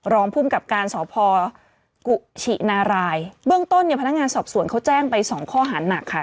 รองภูมิกับการสพกุชินารายเบื้องต้นเนี่ยพนักงานสอบสวนเขาแจ้งไปสองข้อหาหนักค่ะ